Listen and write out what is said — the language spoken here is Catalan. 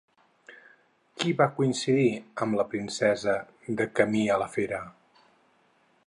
Qui va coincidir amb la princesa de camí a la fera?